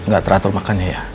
gak teratur makannya ya